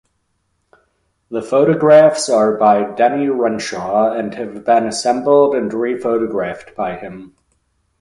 The photographs are by Denny Renshaw, and have been assembled and rephotographed by him.